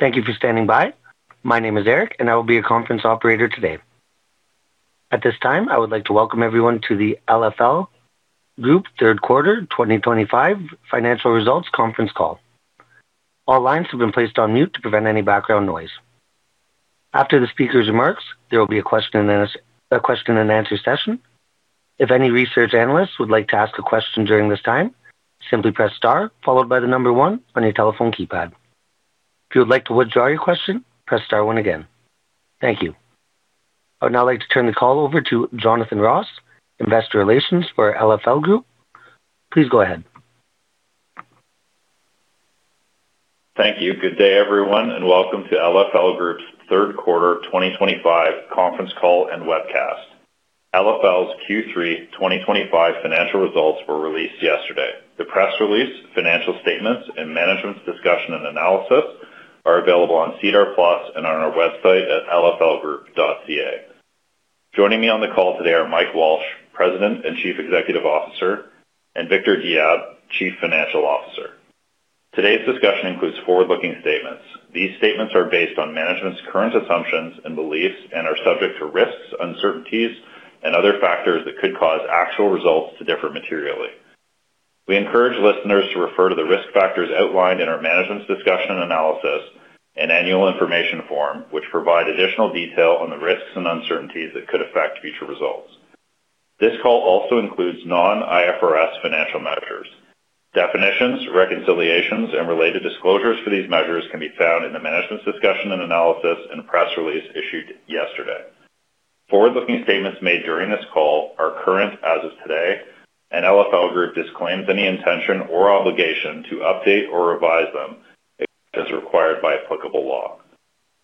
Thank you for standing by. My name is Eric, and I will be your conference operator today. At this time, I would like to welcome everyone to the LFL Group Third Quarter 2025 Financial Results Conference Call. All lines have been placed on mute to prevent any background noise. After the speaker's remarks, there will be a question and answer session. If any research analysts would like to ask a question during this time, simply press star followed by the number one on your telephone keypad. If you would like to withdraw your question, press star one again. Thank you. I would now like to turn the call over to Jonathan Ross, Investor Relations for LFL Group. Please go ahead. Thank you. Good day, everyone, and welcome to LFL Group's Third Quarter 2025 Conference Call and Webcast. LFL's Q3 2025 financial results were released yesterday. The press release, financial statements, and management's discussion and analysis are available on SEDAR Plus and on our website at lflgroup.ca. Joining me on the call today are Mike Walsh, President and Chief Executive Officer, and Victor Diab, Chief Financial Officer. Today's discussion includes forward-looking statements. These statements are based on management's current assumptions and beliefs and are subject to risks, uncertainties, and other factors that could cause actual results to differ materially. We encourage listeners to refer to the risk factors outlined in our management's discussion and analysis and annual information form, which provide additional detail on the risks and uncertainties that could affect future results. This call also includes non-IFRS financial measures. Definitions, reconciliations, and related disclosures for these measures can be found in the management's discussion and analysis and press release issued yesterday. Forward-looking statements made during this call are current as of today, and LFL Group disclaims any intention or obligation to update or revise them as required by applicable law.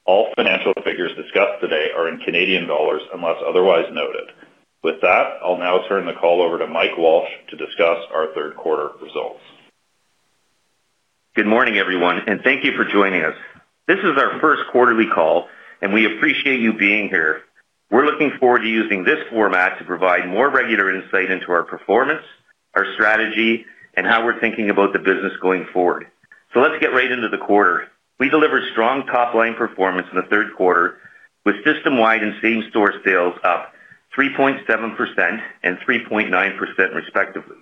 All financial figures discussed today are in CAD unless otherwise noted. With that, I'll now turn the call over to Mike Walsh to discuss our third quarter results. Good morning, everyone, and thank you for joining us. This is our first quarterly call, and we appreciate you being here. We are looking forward to using this format to provide more regular insight into our performance, our strategy, and how we are thinking about the business going forward. Let us get right into the quarter. We delivered strong top-line performance in the third quarter, with system-wide and same-store sales up 3.7% and 3.9%, respectively.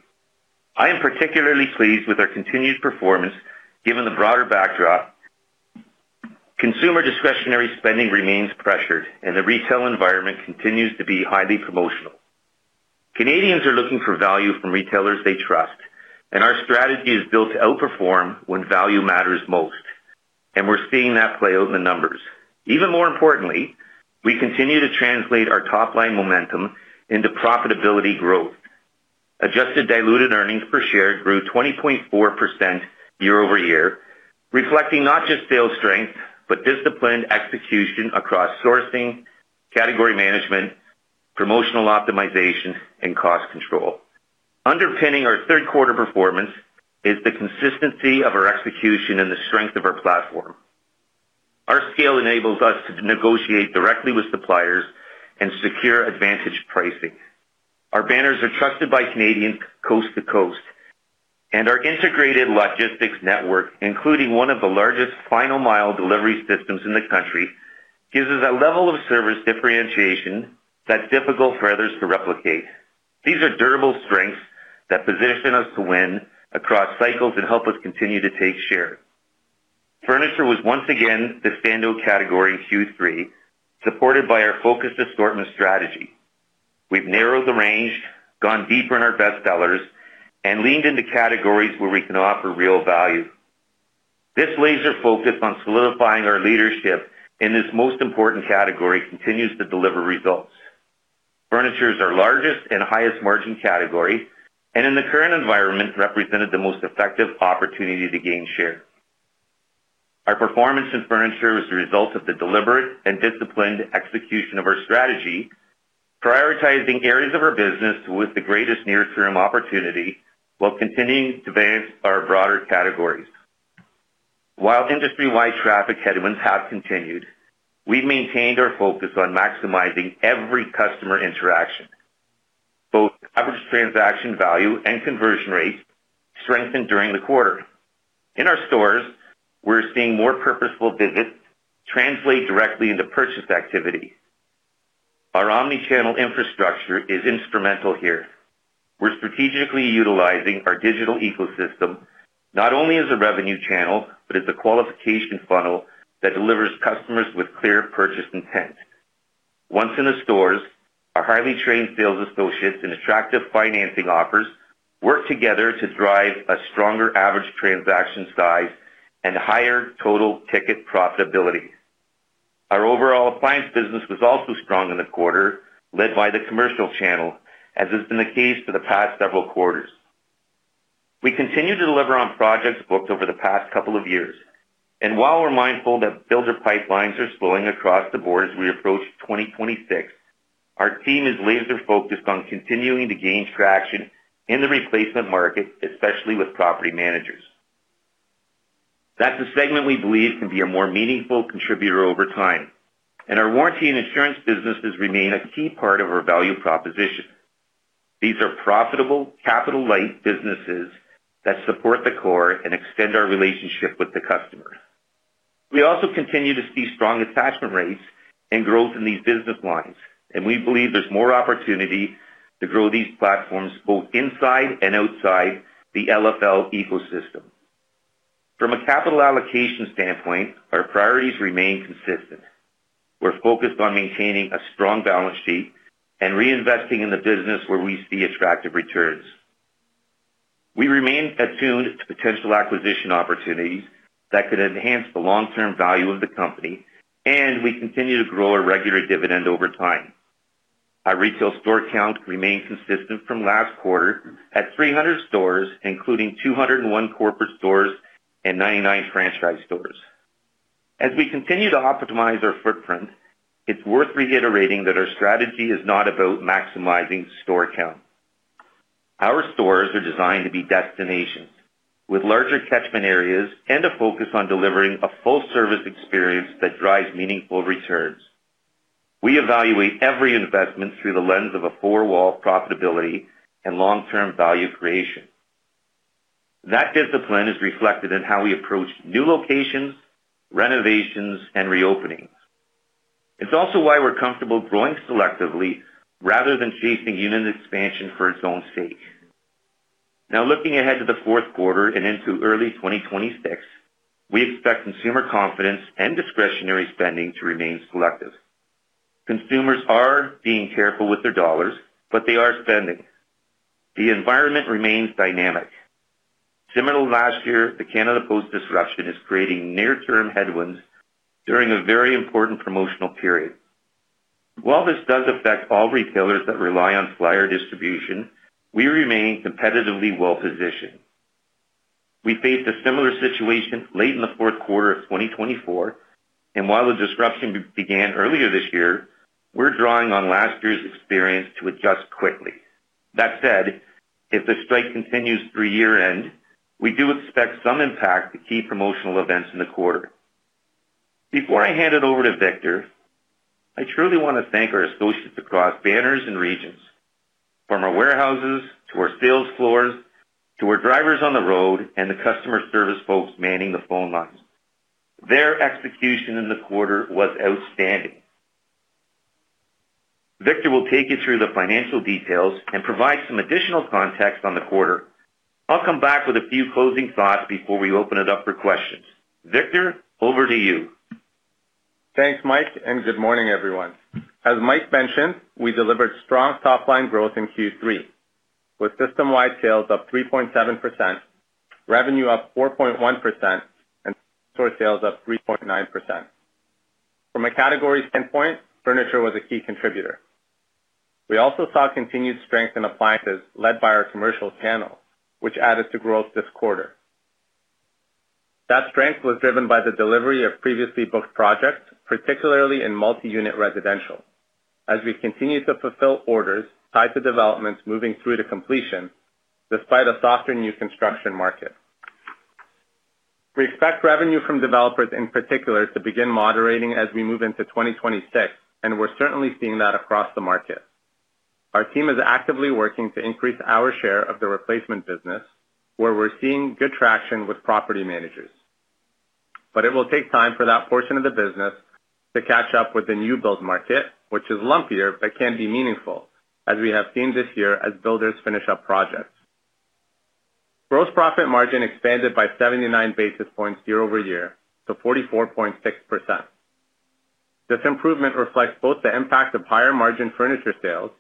I am particularly pleased with our continued performance given the broader backdrop. Consumer discretionary spending remains pressured, and the retail environment continues to be highly promotional. Canadians are looking for value from retailers they trust, and our strategy is built to outperform when value matters most, and we are seeing that play out in the numbers. Even more importantly, we continue to translate our top-line momentum into profitability growth. Adjusted diluted earnings per share grew 20.4% year-over-year, reflecting not just sales strength but disciplined execution across sourcing, category management, promotional optimization, and cost control. Underpinning our third quarter performance is the consistency of our execution and the strength of our platform. Our scale enables us to negotiate directly with suppliers and secure advantage pricing. Our banners are trusted by Canadians coast to coast, and our integrated logistics network, including one of the largest final-mile delivery systems in the country, gives us a level of service differentiation that is difficult for others to replicate. These are durable strengths that position us to win across cycles and help us continue to take share. Furniture was once again the standout category in Q3, supported by our focused assortment strategy. We have narrowed the range, gone deeper in our best sellers, and leaned into categories where we can offer real value. This laser focus on solidifying our leadership in this most important category continues to deliver results. Furniture is our largest and highest-margin category, and in the current environment, it represented the most effective opportunity to gain share. Our performance in furniture is the result of the deliberate and disciplined execution of our strategy, prioritizing areas of our business with the greatest near-term opportunity while continuing to advance our broader categories. While industry-wide traffic headwinds have continued, we've maintained our focus on maximizing every customer interaction. Both average transaction value and conversion rates strengthened during the quarter. In our stores, we're seeing more purposeful visits translate directly into purchase activity. Our omnichannel infrastructure is instrumental here. We're strategically utilizing our digital ecosystem not only as a revenue channel but as a qualification funnel that delivers customers with clear purchase intent. Once in the stores, our highly trained sales associates and attractive financing offers work together to drive a stronger average transaction size and higher total ticket profitability. Our overall appliance business was also strong in the quarter, led by the commercial channel, as has been the case for the past several quarters. We continue to deliver on projects booked over the past couple of years, and while we're mindful that builder pipelines are slowing across the board as we approach 2026, our team is laser-focused on continuing to gain traction in the replacement market, especially with property managers. That is a segment we believe can be a more meaningful contributor over time, and our warranty and insurance businesses remain a key part of our value proposition. These are profitable, capital-light businesses that support the core and extend our relationship with the customer. We also continue to see strong attachment rates and growth in these business lines, and we believe there's more opportunity to grow these platforms both inside and outside the LFL ecosystem. From a capital allocation standpoint, our priorities remain consistent. We're focused on maintaining a strong balance sheet and reinvesting in the business where we see attractive returns. We remain attuned to potential acquisition opportunities that could enhance the long-term value of the company, and we continue to grow our regular dividend over time. Our retail store count remained consistent from last quarter at 300 stores, including 201 corporate stores and 99 franchise stores. As we continue to optimize our footprint, it's worth reiterating that our strategy is not about maximizing store count. Our stores are designed to be destinations, with larger catchment areas and a focus on delivering a full-service experience that drives meaningful returns. We evaluate every investment through the lens of a four-wall profitability and long-term value creation. That discipline is reflected in how we approach new locations, renovations, and reopenings. It's also why we're comfortable growing selectively rather than chasing unit expansion for its own sake. Now, looking ahead to the fourth quarter and into early 2026, we expect consumer confidence and discretionary spending to remain selective. Consumers are being careful with their dollars, but they are spending. The environment remains dynamic. Similar to last year, the Canada Post disruption is creating near-term headwinds during a very important promotional period. While this does affect all retailers that rely on flyer distribution, we remain competitively well-positioned. We faced a similar situation late in the fourth quarter of 2024, and while the disruption began earlier this year, we're drawing on last year's experience to adjust quickly. That said, if the strike continues through year-end, we do expect some impact to key promotional events in the quarter. Before I hand it over to Victor, I truly want to thank our associates across banners and regions, from our warehouses to our sales floors to our drivers on the road and the customer service folks manning the phone lines. Their execution in the quarter was outstanding. Victor will take you through the financial details and provide some additional context on the quarter. I'll come back with a few closing thoughts before we open it up for questions. Victor, over to you. Thanks, Mike, and good morning, everyone. As Mike mentioned, we delivered strong top-line growth in Q3, with system-wide sales up 3.7%, revenue up 4.1%, and store sales up 3.9%. From a category standpoint, furniture was a key contributor. We also saw continued strength in appliances led by our commercial channel, which added to growth this quarter. That strength was driven by the delivery of previously booked projects, particularly in multi-unit residential, as we continue to fulfill orders tied to developments moving through to completion despite a softer new construction market. We expect revenue from developers, in particular, to begin moderating as we move into 2026, and we are certainly seeing that across the market. Our team is actively working to increase our share of the replacement business, where we are seeing good traction with property managers. It will take time for that portion of the business to catch up with the new build market, which is lumpier but can be meaningful, as we have seen this year as builders finish up projects. Gross profit margin expanded by 79 basis points year-over-year to 44.6%. This improvement reflects both the impact of higher margin furniture sales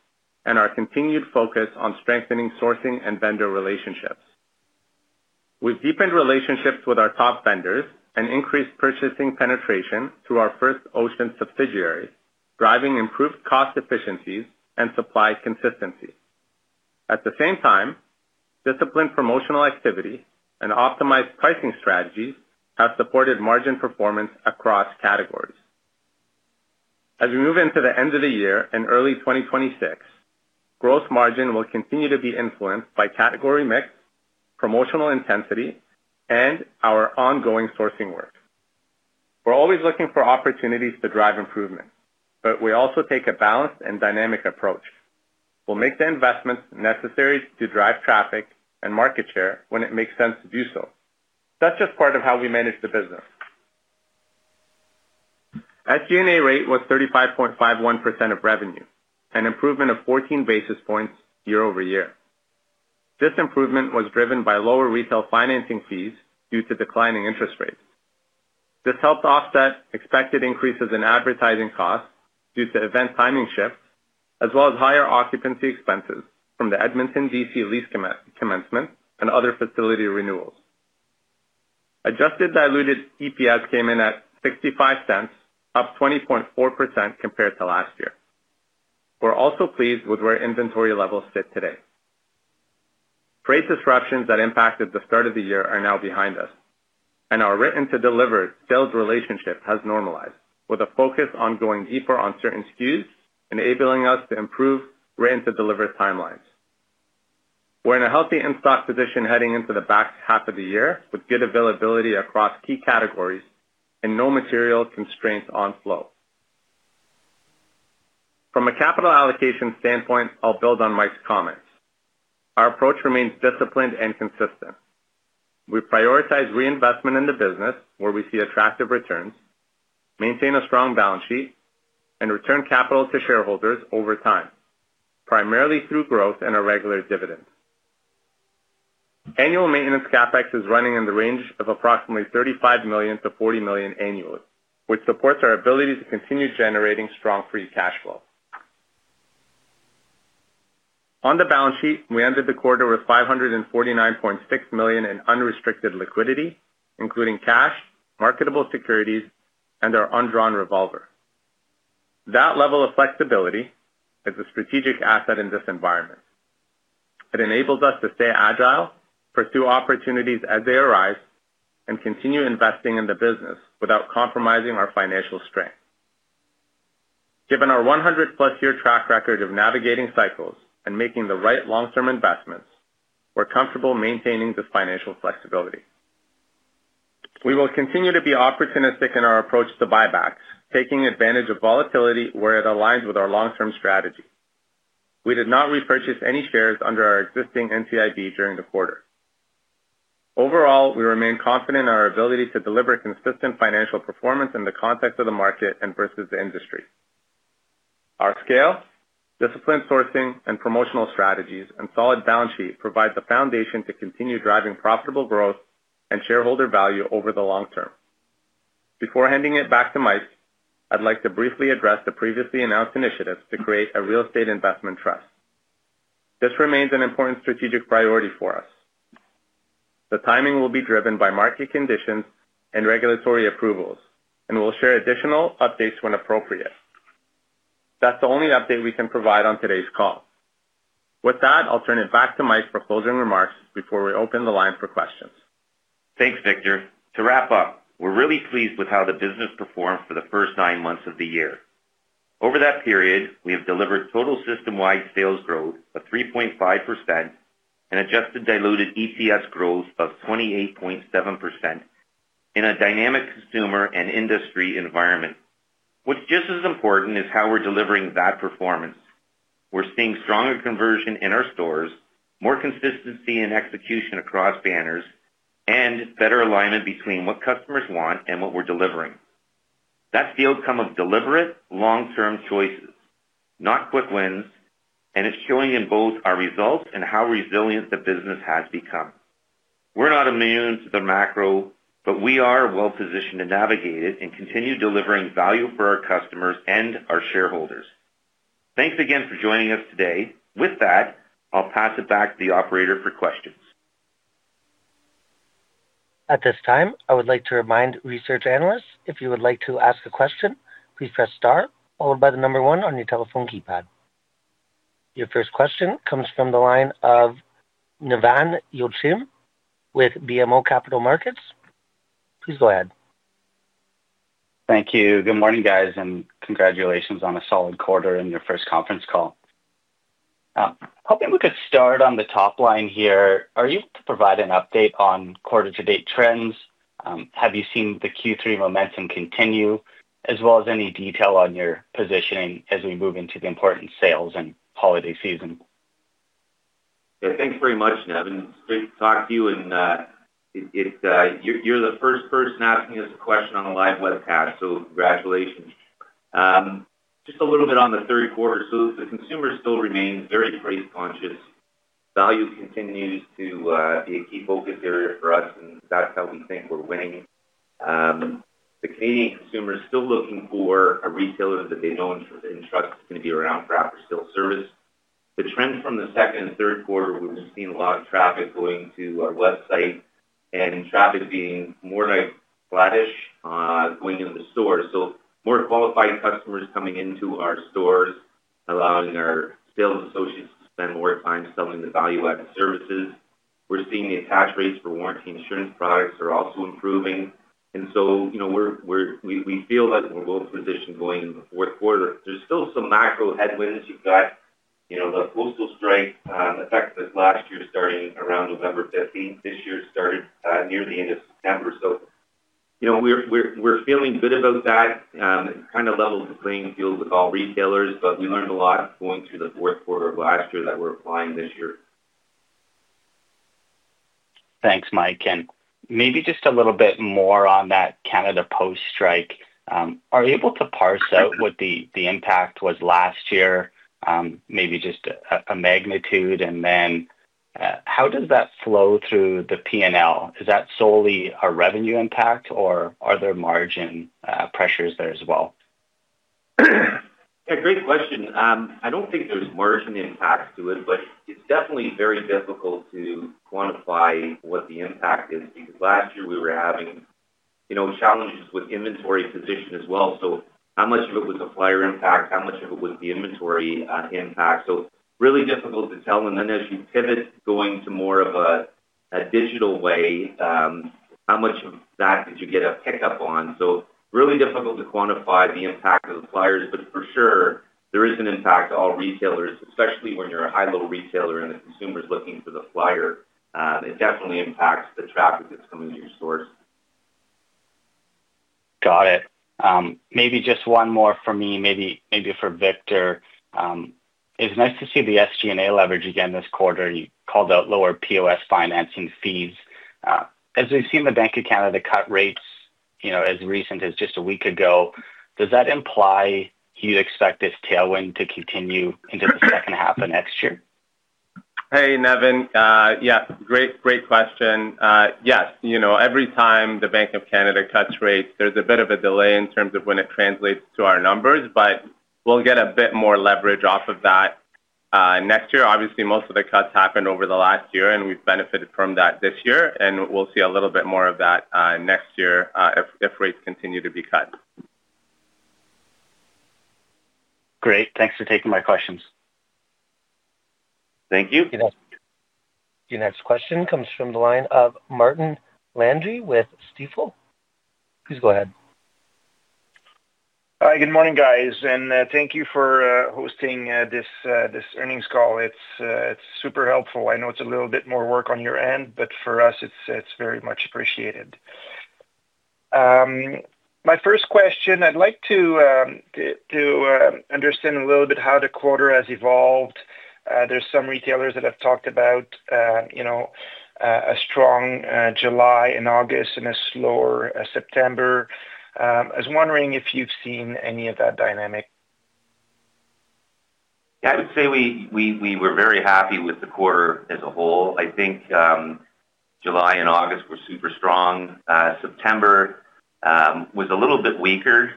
and our continued focus on strengthening sourcing and vendor relationships. We've deepened relationships with our top vendors and increased purchasing penetration through our First Ocean subsidiary, driving improved cost efficiencies and supply consistency. At the same time, disciplined promotional activity and optimized pricing strategies have supported margin performance across categories. As we move into the end of the year and early 2026, gross margin will continue to be influenced by category mix, promotional intensity, and our ongoing sourcing work. We're always looking for opportunities to drive improvement, but we also take a balanced and dynamic approach. We'll make the investments necessary to drive traffic and market share when it makes sense to do so. That's just part of how we manage the business. At G&A rate was 35.51% of revenue, an improvement of 14 basis points year-over-year. This improvement was driven by lower retail financing fees due to declining interest rates. This helped offset expected increases in advertising costs due to event timing shifts, as well as higher occupancy expenses from the Edmonton DC lease commencement and other facility renewals. Adjusted diluted EPS came in at $0.65, up 20.4% compared to last year. We're also pleased with where inventory levels sit today. Great disruptions that impacted the start of the year are now behind us, and our written-to-delivered sales relationship has normalized, with a focus on going deeper on certain SKUs, enabling us to improve written-to-delivered timelines. We're in a healthy in-stock position heading into the back half of the year, with good availability across key categories and no material constraints on flow. From a capital allocation standpoint, I'll build on Mike's comments. Our approach remains disciplined and consistent. We prioritize reinvestment in the business where we see attractive returns, maintain a strong balance sheet, and return capital to shareholders over time, primarily through growth and irregular dividends. Annual maintenance CapEx is running in the range of approximately 35 million-40 million annually, which supports our ability to continue generating strong free cash flow. On the balance sheet, we ended the quarter with 549.6 million in unrestricted liquidity, including cash, marketable securities, and our undrawn revolver. That level of flexibility is a strategic asset in this environment. It enables us to stay agile, pursue opportunities as they arise, and continue investing in the business without compromising our financial strength. Given our 100-plus year track record of navigating cycles and making the right long-term investments, we're comfortable maintaining this financial flexibility. We will continue to be opportunistic in our approach to buybacks, taking advantage of volatility where it aligns with our long-term strategy. We did not repurchase any shares under our existing NCIB during the quarter. Overall, we remain confident in our ability to deliver consistent financial performance in the context of the market and versus the industry. Our scale, disciplined sourcing, and promotional strategies and solid balance sheet provide the foundation to continue driving profitable growth and shareholder value over the long term. Before handing it back to Mike, I'd like to briefly address the previously announced initiatives to create a real estate investment trust. This remains an important strategic priority for us. The timing will be driven by market conditions and regulatory approvals, and we'll share additional updates when appropriate. That's the only update we can provide on today's call. With that, I'll turn it back to Mike for closing remarks before we open the line for questions. Thanks, Victor. To wrap up, we're really pleased with how the business performed for the first nine months of the year. Over that period, we have delivered total system-wide sales growth of 3.5% and adjusted diluted EPS growth of 28.7% in a dynamic consumer and industry environment. What's just as important is how we're delivering that performance. We're seeing stronger conversion in our stores, more consistency in execution across banners, and better alignment between what customers want and what we're delivering. That's the outcome of deliberate long-term choices, not quick wins, and it's showing in both our results and how resilient the business has become. We're not immune to the macro, but we are well-positioned to navigate it and continue delivering value for our customers and our shareholders. Thanks again for joining us today. With that, I'll pass it back to the operator for questions. At this time, I would like to remind research analysts, if you would like to ask a question, please press star followed by the number one on your telephone keypad. Your first question comes from the line of Nevan Yochim with BMO Capital Markets. Please go ahead. Thank you. Good morning, guys, and congratulations on a solid quarter in your first conference call. Help me if we could start on the top line here. Are you able to provide an update on quarter-to-date trends? Have you seen the Q3 momentum continue, as well as any detail on your positioning as we move into the important sales and holiday season? Yeah, thanks very much, Nevan. It's great to talk to you, and you're the first person asking us a question on the live webcast, so congratulations. Just a little bit on the third quarter. The consumer still remains very price-conscious. Value continues to be a key focus area for us, and that's how we think we're winning. The Canadian consumer is still looking for a retailer that they know and trust is going to be around for after-sales service. The trend from the second and third quarter, we've seen a lot of traffic going to our website and traffic being more like flat-ish going into the store. More qualified customers are coming into our stores, allowing our sales associates to spend more time selling the value-added services. We're seeing the attach rates for warranty insurance products are also improving. We feel like we're well-positioned going into the fourth quarter. There are still some macro headwinds. You've got the postal strike effect this last year starting around November 15. This year started near the end of September. We're feeling good about that. It kind of levels the playing field with all retailers, but we learned a lot going through the fourth quarter of last year that we're applying this year. Thanks, Mike. Maybe just a little bit more on that Canada Post strike. Are you able to parse out what the impact was last year, maybe just a magnitude? How does that flow through the P&L? Is that solely a revenue impact, or are there margin pressures there as well? Yeah, great question. I do not think there is margin impact to it, but it is definitely very difficult to quantify what the impact is because last year we were having challenges with inventory position as well. How much of it was a flyer impact? How much of it was the inventory impact? Really difficult to tell. As you pivot going to more of a digital way, how much of that did you get a pickup on? Really difficult to quantify the impact of the flyers, but for sure, there is an impact to all retailers, especially when you are a high-low retailer and the consumer is looking for the flyer. It definitely impacts the traffic that is coming to your stores. Got it. Maybe just one more for me, maybe for Victor. It's nice to see the SG&A leverage again this quarter. You called out lower POS financing fees. As we've seen the Bank of Canada cut rates as recent as just a week ago, does that imply you'd expect this tailwind to continue into the second half of next year? Hey, Nevan. Yeah, great question. Yes, every time the Bank of Canada cuts rates, there's a bit of a delay in terms of when it translates to our numbers, but we'll get a bit more leverage off of that next year. Obviously, most of the cuts happened over the last year, and we've benefited from that this year, and we'll see a little bit more of that next year if rates continue to be cut. Great. Thanks for taking my questions. Thank you. Your next question comes from the line of Martin Landry with Stifel. Please go ahead. Hi, good morning, guys. Thank you for hosting this earnings call. It's super helpful. I know it's a little bit more work on your end, but for us, it's very much appreciated. My first question, I'd like to understand a little bit how the quarter has evolved. There are some retailers that have talked about a strong July and August and a slower September. I was wondering if you've seen any of that dynamic. Yeah, I would say we were very happy with the quarter as a whole. I think July and August were super strong. September was a little bit weaker,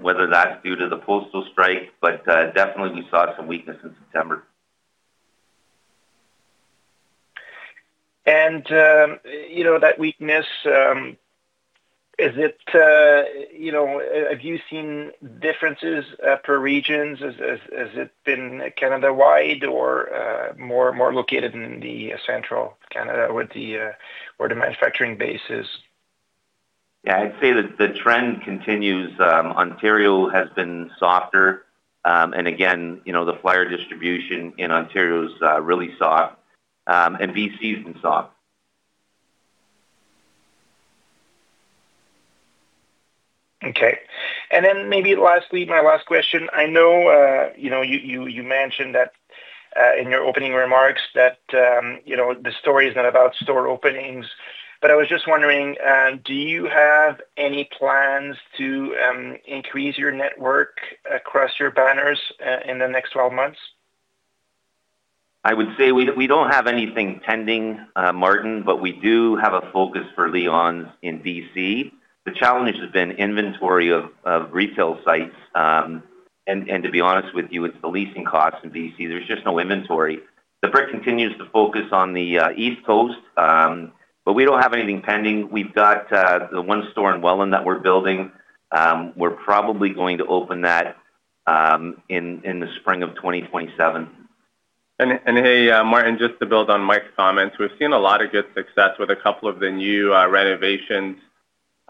whether that's due to the postal strike, but definitely we saw some weakness in September. That weakness, is it, have you seen differences per regions? Has it been Canada-wide or more located in central Canada where the manufacturing base is? Yeah, I'd say that the trend continues. Ontario has been softer. Again, the flyer distribution in Ontario is really soft, and BC has been soft. Okay. And then maybe lastly, my last question. I know you mentioned that in your opening remarks that the story is not about store openings, but I was just wondering, do you have any plans to increase your network across your banners in the next 12 months? I would say we do not have anything pending, Martin, but we do have a focus for Leon's in BC. The challenge has been inventory of retail sites. To be honest with you, it is the leasing costs in BC. There is just no inventory. The Brick continues to focus on the East Coast, but we do not have anything pending. We have the one store in Welland that we are building. We are probably going to open that in the spring of 2027. Hey, Martin, just to build on Mike's comments, we've seen a lot of good success with a couple of the new renovations.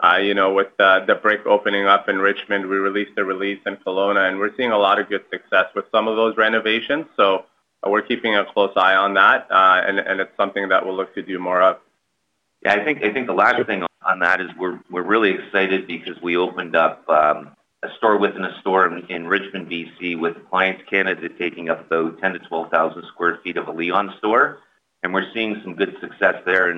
With The Brick opening up in Richmond, we released a release in Kelowna, and we're seeing a lot of good success with some of those renovations. We're keeping a close eye on that, and it's something that we'll look to do more of. Yeah, I think the last thing on that is we're really excited because we opened up a store within a store in Richmond, BC, with Appliance Canada taking up the 10,000-12,000 sq ft of a Leon's store. We're seeing some good success there.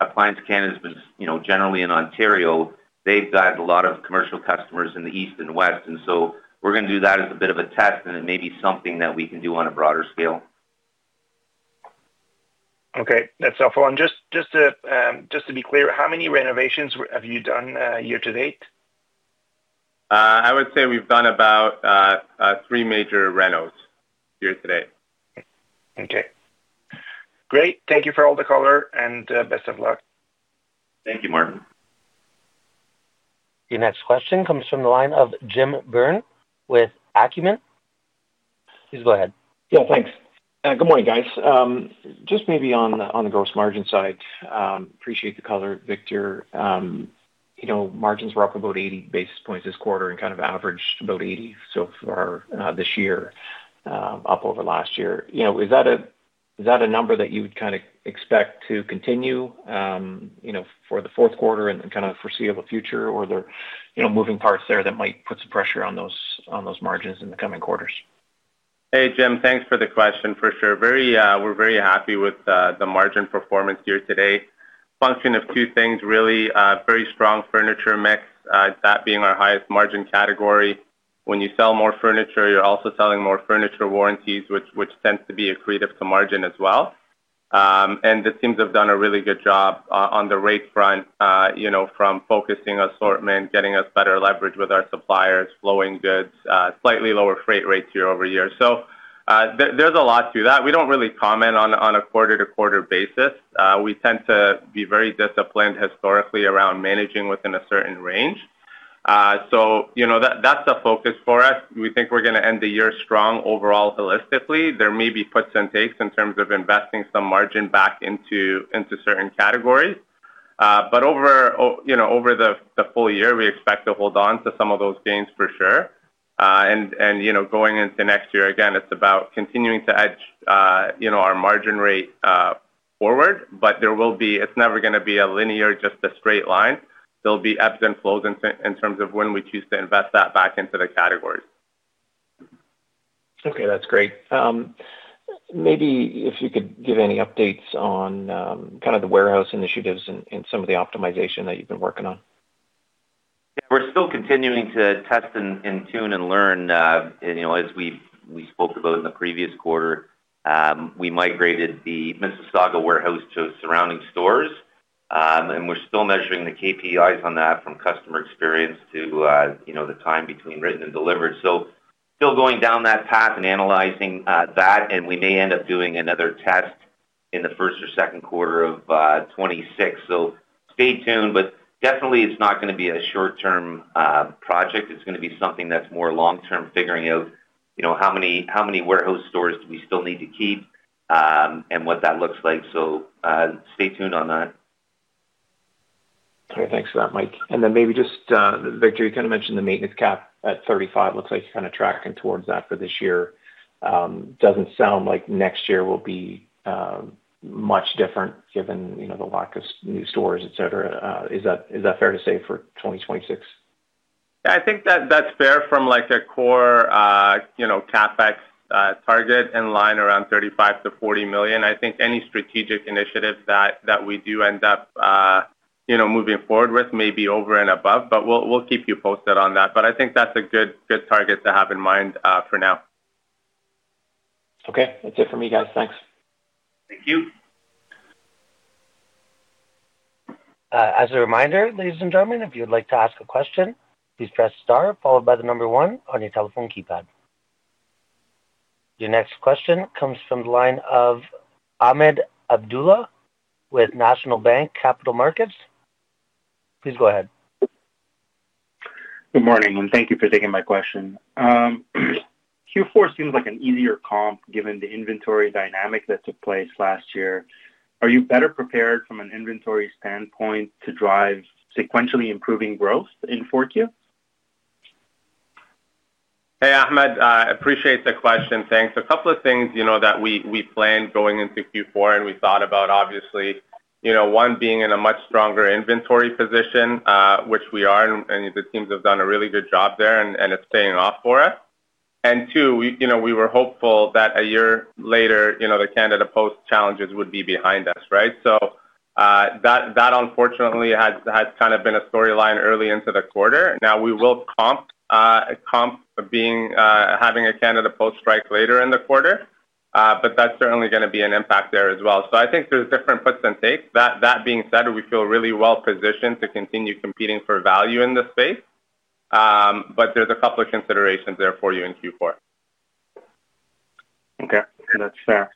Appliance Canada has been generally in Ontario, they've got a lot of commercial customers in the East and West. We're going to do that as a bit of a test, and it may be something that we can do on a broader scale. Okay. That's helpful. Just to be clear, how many renovations have you done year to date? I would say we've done about three major renos year to date. Okay. Great. Thank you for all the color, and best of luck. Thank you, Martin. Your next question comes from the line of Jim Byrne with Acumen. Please go ahead. Yeah, thanks. Good morning, guys. Just maybe on the gross margin side, appreciate the color, Victor. Margins were up about 80 basis points this quarter and kind of averaged about 80 so far this year, up over last year. Is that a number that you would kind of expect to continue for the fourth quarter and kind of foreseeable future, or are there moving parts there that might put some pressure on those margins in the coming quarters? Hey, Jim, thanks for the question, for sure. We're very happy with the margin performance year to date. Function of two things, really. Very strong furniture mix, that being our highest margin category. When you sell more furniture, you're also selling more furniture warranties, which tends to be accretive to margin as well. The teams have done a really good job on the rate front, from focusing assortment, getting us better leverage with our suppliers, flowing goods, slightly lower freight rates year-over-year. There's a lot to that. We don't really comment on a quarter-to-quarter basis. We tend to be very disciplined historically around managing within a certain range. That's a focus for us. We think we're going to end the year strong overall holistically. There may be puts and takes in terms of investing some margin back into certain categories. Over the full year, we expect to hold on to some of those gains for sure. Going into next year, again, it's about continuing to edge our margin rate forward, but there will be, it's never going to be a linear, just a straight line. There will be ebbs and flows in terms of when we choose to invest that back into the categories. Okay, that's great. Maybe if you could give any updates on kind of the warehouse initiatives and some of the optimization that you've been working on. Yeah, we're still continuing to test and tune and learn. As we spoke about in the previous quarter, we migrated the Mississauga warehouse to surrounding stores, and we're still measuring the KPIs on that from customer experience to the time between written and delivered. Still going down that path and analyzing that, and we may end up doing another test in the first or second quarter of 2026. Stay tuned, but definitely it's not going to be a short-term project. It's going to be something that's more long-term, figuring out how many warehouse stores do we still need to keep and what that looks like. Stay tuned on that. Okay, thanks for that, Mike. Maybe just, Victor, you kind of mentioned the maintenance CapEx at 35. Looks like you're kind of tracking towards that for this year. Does not sound like next year will be much different given the lack of new stores, etc. Is that fair to say for 2026? Yeah, I think that's fair from a core CapEx target in line around 35 million-40 million. I think any strategic initiative that we do end up moving forward with may be over and above, but we'll keep you posted on that. I think that's a good target to have in mind for now. Okay. That's it for me, guys. Thanks. Thank you. As a reminder, ladies and gentlemen, if you'd like to ask a question, please press star followed by the number one on your telephone keypad. Your next question comes from the line of Ahmed Abdullah with National Bank Capital Markets. Please go ahead. Good morning, and thank you for taking my question. Q4 seems like an easier comp given the inventory dynamic that took place last year. Are you better prepared from an inventory standpoint to drive sequentially improving growth in fourth year? Hey, Ahmed, I appreciate the question. Thanks. A couple of things that we planned going into Q4, and we thought about, obviously, one being in a much stronger inventory position, which we are, and the teams have done a really good job there, and it's paying off for us. Two, we were hopeful that a year later, the Canada Post challenges would be behind us, right? That, unfortunately, has kind of been a storyline early into the quarter. Now, we will comp having a Canada Post strike later in the quarter, but that's certainly going to be an impact there as well. I think there's different puts and takes. That being said, we feel really well-positioned to continue competing for value in the space, but there's a couple of considerations there for you in Q4. Okay. That's fair.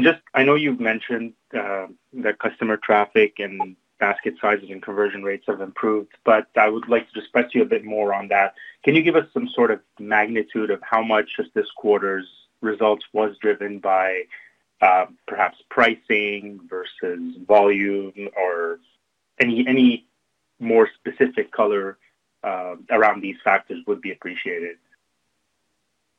Just I know you've mentioned that customer traffic and basket sizes and conversion rates have improved, but I would like to just press you a bit more on that. Can you give us some sort of magnitude of how much of this quarter's results was driven by perhaps pricing versus volume or any more specific color around these factors would be appreciated?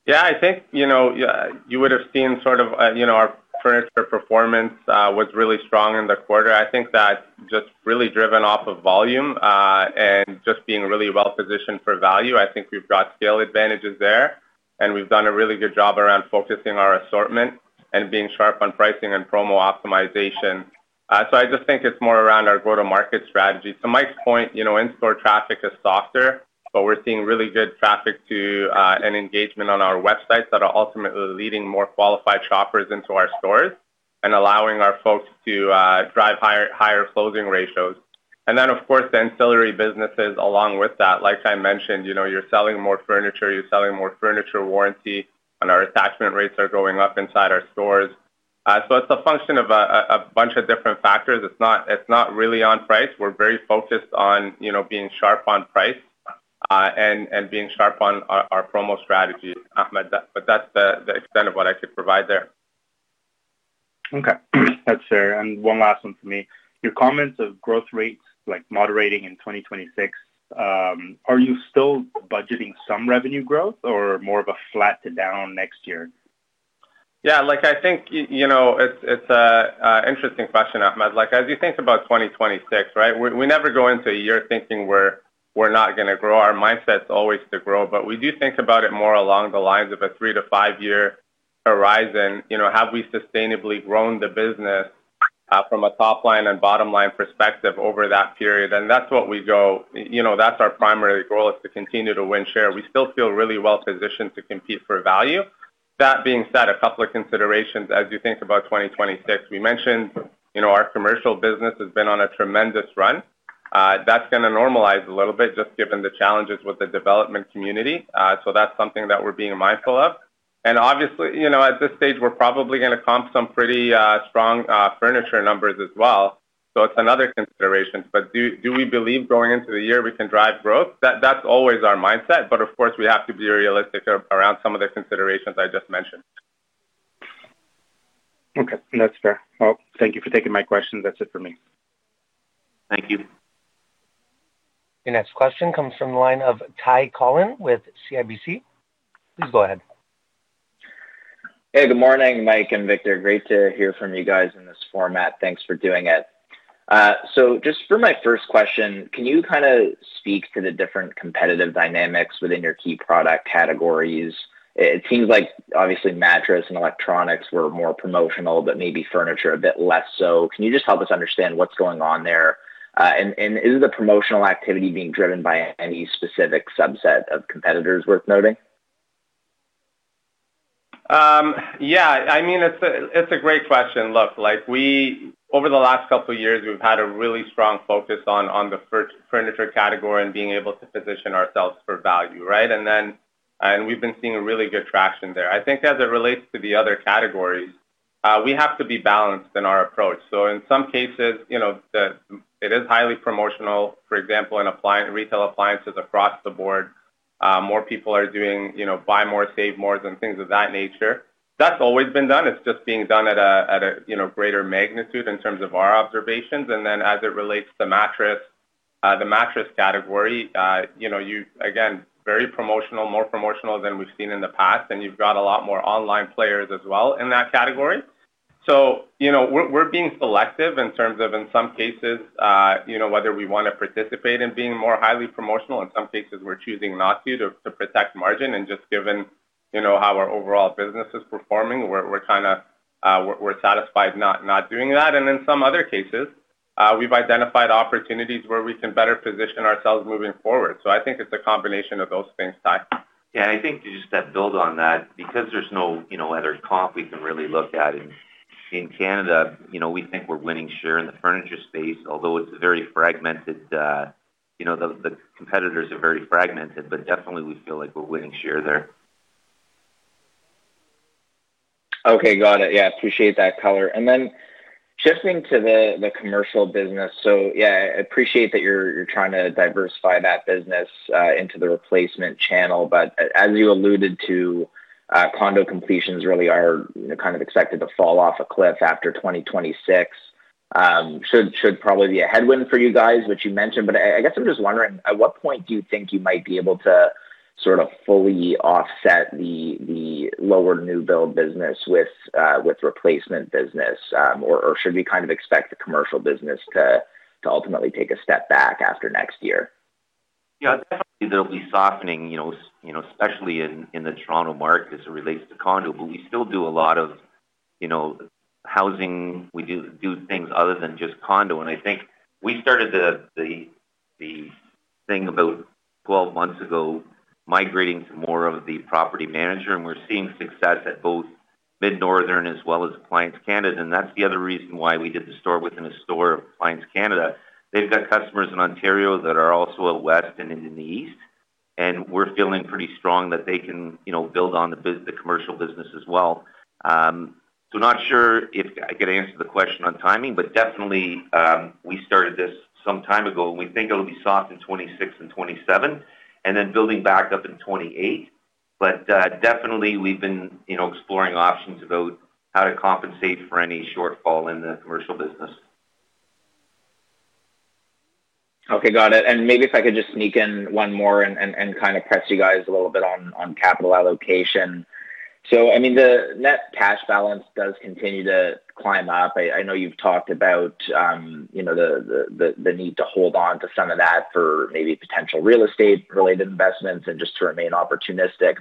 Yeah, I think you would have seen sort of our furniture performance was really strong in the quarter. I think that just really driven off of volume and just being really well-positioned for value. I think we've got sale advantages there, and we've done a really good job around focusing our assortment and being sharp on pricing and promo optimization. I just think it's more around our go-to-market strategy. To Mike's point, in-store traffic is softer, but we're seeing really good traffic to and engagement on our websites that are ultimately leading more qualified shoppers into our stores and allowing our folks to drive higher closing ratios. Of course, the ancillary businesses along with that. Like I mentioned, you're selling more furniture, you're selling more furniture warranty, and our attachment rates are going up inside our stores. It's a function of a bunch of different factors. It's not really on price. We're very focused on being sharp on price and being sharp on our promo strategy, Ahmed, but that's the extent of what I could provide there. Okay. That's fair. One last one for me. Your comments of growth rates moderating in 2026, are you still budgeting some revenue growth or more of a flat to down next year? Yeah, I think it's an interesting question, Ahmed. As you think about 2026, right, we never go into a year thinking we're not going to grow. Our mindset's always to grow, but we do think about it more along the lines of a three- to five-year horizon. Have we sustainably grown the business from a top-line and bottom-line perspective over that period? That's what we go. That's our primary goal, is to continue to win share. We still feel really well-positioned to compete for value. That being said, a couple of considerations as you think about 2026. We mentioned our commercial business has been on a tremendous run. That's going to normalize a little bit just given the challenges with the development community. That's something that we're being mindful of. Obviously, at this stage, we're probably going to comp some pretty strong furniture numbers as well. It is another consideration. Do we believe going into the year we can drive growth? That is always our mindset, but of course, we have to be realistic around some of the considerations I just mentioned. Okay. That's fair. Thank you for taking my questions. That's it for me. Thank you. Your next question comes from the line of Ty Collin with CIBC. Please go ahead. Hey, good morning, Mike and Victor. Great to hear from you guys in this format. Thanks for doing it. Just for my first question, can you kind of speak to the different competitive dynamics within your key product categories? It seems like, obviously, mattress and electronics were more promotional, but maybe furniture a bit less so. Can you just help us understand what's going on there? Is the promotional activity being driven by any specific subset of competitors worth noting? Yeah. I mean, it's a great question. Look, over the last couple of years, we've had a really strong focus on the furniture category and being able to position ourselves for value, right? We've been seeing really good traction there. I think as it relates to the other categories, we have to be balanced in our approach. In some cases, it is highly promotional, for example, in retail appliances across the board. More people are doing buy more, save more, and things of that nature. That's always been done. It's just being done at a greater magnitude in terms of our observations. As it relates to mattress, the mattress category, again, very promotional, more promotional than we've seen in the past, and you've got a lot more online players as well in that category. We're being selective in terms of, in some cases, whether we want to participate in being more highly promotional. In some cases, we're choosing not to to protect margin. Just given how our overall business is performing, we're kind of satisfied not doing that. In some other cases, we've identified opportunities where we can better position ourselves moving forward. I think it's a combination of those things, Ty. Yeah, and I think to just build on that, because there's no other comp we can really look at, in Canada, we think we're winning share in the furniture space, although it's very fragmented. The competitors are very fragmented, but definitely, we feel like we're winning share there. Okay. Got it. Yeah. Appreciate that color. Then shifting to the commercial business, yeah, I appreciate that you're trying to diversify that business into the replacement channel, but as you alluded to, condo completions really are kind of expected to fall off a cliff after 2026. Should probably be a headwind for you guys, which you mentioned. I guess I'm just wondering, at what point do you think you might be able to sort of fully offset the lower new build business with replacement business, or should we kind of expect the commercial business to ultimately take a step back after next year? Yeah, definitely there'll be softening, especially in the Toronto market as it relates to condo, but we still do a lot of housing. We do things other than just condo. I think we started the thing about 12 months ago, migrating to more of the property manager, and we're seeing success at both Midnorthern Appliance as well as Appliance Canada. That's the other reason why we did the store within a store of Appliance Canada. They've got customers in Ontario that are also west and in the east, and we're feeling pretty strong that they can build on the commercial business as well. Not sure if I could answer the question on timing, but definitely, we started this some time ago, and we think it'll be soft in 2026 and 2027, and then building back up in 2028. Definitely, we've been exploring options about how to compensate for any shortfall in the commercial business. Okay. Got it. Maybe if I could just sneak in one more and kind of press you guys a little bit on capital allocation. I mean, the net cash balance does continue to climb up. I know you've talked about the need to hold on to some of that for maybe potential real estate-related investments and just to remain opportunistic.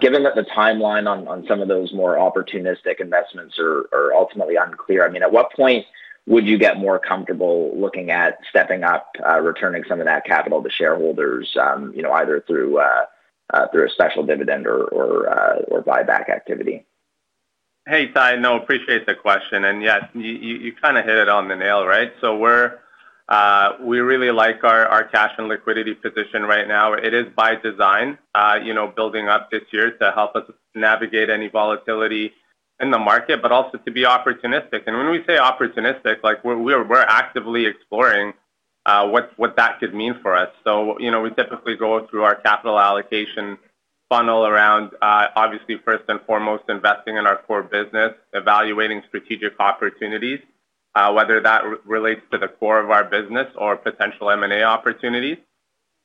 Given that the timeline on some of those more opportunistic investments are ultimately unclear, I mean, at what point would you get more comfortable looking at stepping up, returning some of that capital to shareholders, either through a special dividend or buyback activity? Hey, Ty. No, appreciate the question. Yes, you kind of hit it on the nail, right? We really like our cash and liquidity position right now. It is by design, building up this year to help us navigate any volatility in the market, but also to be opportunistic. When we say opportunistic, we're actively exploring what that could mean for us. We typically go through our capital allocation funnel around, obviously, first and foremost, investing in our core business, evaluating strategic opportunities, whether that relates to the core of our business or potential M&A opportunities.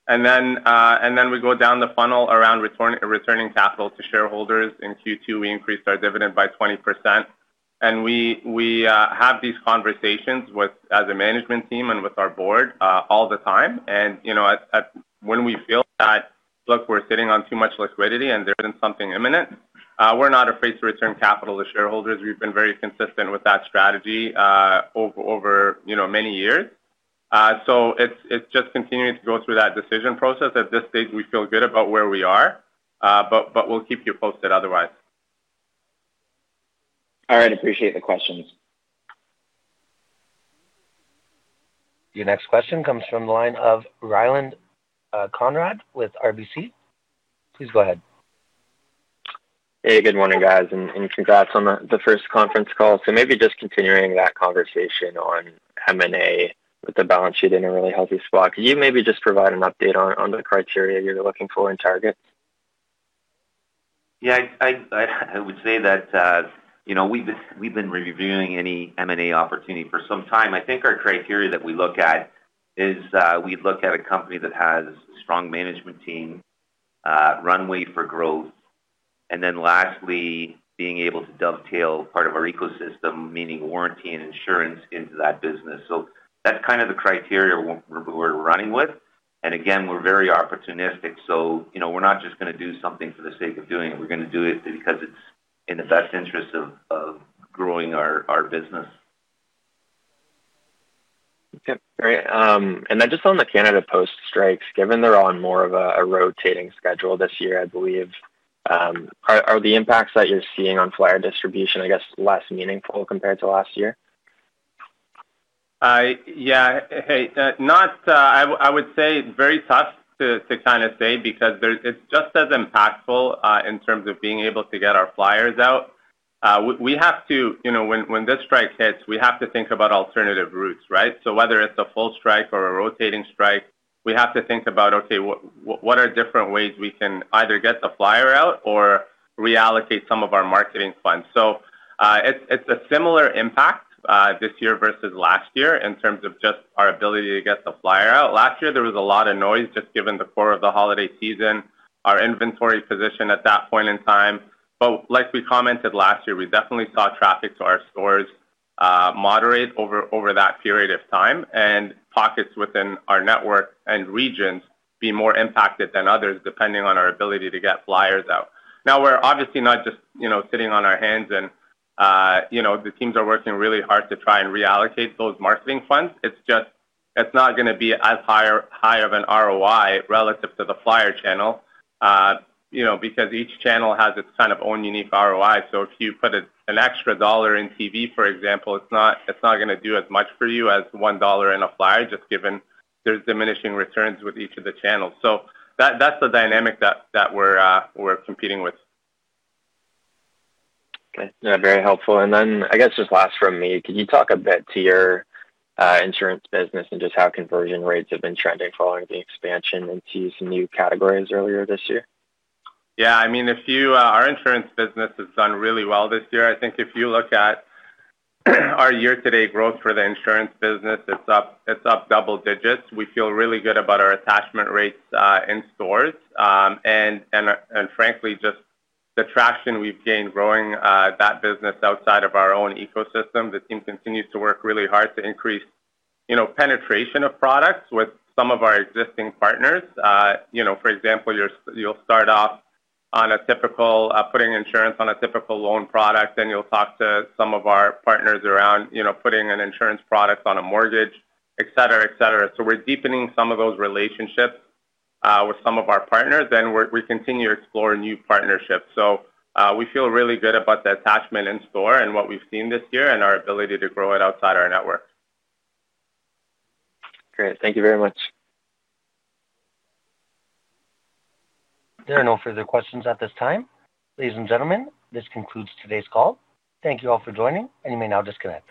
Then we go down the funnel around returning capital to shareholders. In Q2, we increased our dividend by 20%. We have these conversations as a management team and with our board all the time. When we feel that, look, we're sitting on too much liquidity and there's something imminent, we're not afraid to return capital to shareholders. We've been very consistent with that strategy over many years. It is just continuing to go through that decision process. At this stage, we feel good about where we are, but we'll keep you posted otherwise. All right. Appreciate the questions. Your next question comes from the line of Ryland Conrad with RBC. Please go ahead. Hey, good morning, guys, and congrats on the first conference call. Maybe just continuing that conversation on M&A with the balance sheet in a really healthy spot. Could you maybe just provide an update on the criteria you're looking for in targets? Yeah. I would say that we've been reviewing any M&A opportunity for some time. I think our criteria that we look at is we look at a company that has a strong management team, runway for growth, and then lastly, being able to dovetail part of our ecosystem, meaning warranty and insurance into that business. So that's kind of the criteria we're running with. Again, we're very opportunistic. We're not just going to do something for the sake of doing it. We're going to do it because it's in the best interest of growing our business. Okay. Great. Just on the Canada Post strikes, given they're on more of a rotating schedule this year, I believe, are the impacts that you're seeing on flyer distribution, I guess, less meaningful compared to last year? Yeah. Hey, I would say it's very tough to kind of say because it's just as impactful in terms of being able to get our flyers out. We have to, when this strike hits, we have to think about alternative routes, right? Whether it's a full strike or a rotating strike, we have to think about, okay, what are different ways we can either get the flyer out or reallocate some of our marketing funds? It's a similar impact this year versus last year in terms of just our ability to get the flyer out. Last year, there was a lot of noise just given the core of the holiday season, our inventory position at that point in time. Like we commented last year, we definitely saw traffic to our stores moderate over that period of time and pockets within our network and regions be more impacted than others depending on our ability to get flyers out. Now, we're obviously not just sitting on our hands and the teams are working really hard to try and reallocate those marketing funds. It's not going to be as high of an ROI relative to the flyer channel because each channel has its own unique ROI. If you put an extra dollar in TV, for example, it's not going to do as much for you as $1 in a flyer just given there's diminishing returns with each of the channels. That's the dynamic that we're competing with. Okay. Very helpful. I guess just last from me, could you talk a bit to your insurance business and just how conversion rates have been trending following the expansion into some new categories earlier this year? Yeah. I mean, our insurance business has done really well this year. I think if you look at our year-to-date growth for the insurance business, it's up double digits. We feel really good about our attachment rates in stores. And frankly, just the traction we've gained growing that business outside of our own ecosystem, the team continues to work really hard to increase penetration of products with some of our existing partners. For example, you'll start off on a typical putting insurance on a typical loan product, then you'll talk to some of our partners around putting an insurance product on a mortgage, etc., etc. We are deepening some of those relationships with some of our partners, then we continue to explore new partnerships. We feel really good about the attachment in store and what we've seen this year and our ability to grow it outside our network. Great. Thank you very much. There are no further questions at this time. Ladies and gentlemen, this concludes today's call. Thank you all for joining, and you may now disconnect.